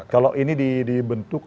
kalau ini dibentuk